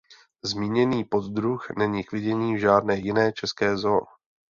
Zmíněný poddruh není k vidění v žádné jiné české zoo.